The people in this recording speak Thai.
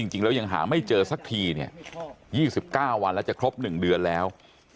จริงแล้วยังหาไม่เจอสักทีเนี่ย๒๙วันแล้วจะครบ๑เดือนแล้ว